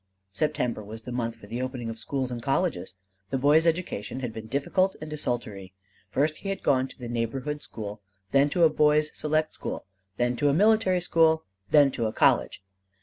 September was the month for the opening of schools and colleges. The boy's education had been difficult and desultory. First he had gone to the neighborhood school, then to a boys' select school, then to a military school, then to a college.